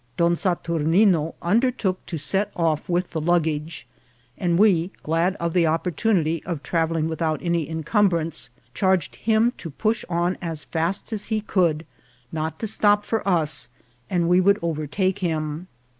Don Saturnine undertook to set off with the luggage, and we, glad of the opportunity of travelling without any encumbrance, charged him to" push on as fast as he could, not to stop for us, and we would over take him.